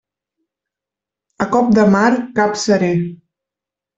A cop de mar, cap seré.